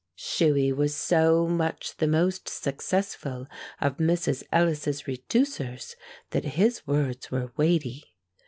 Shuey was so much the most successful of Mrs. Ellis's reducers that his words were weighty.